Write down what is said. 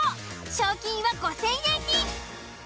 賞金は５、０００円に。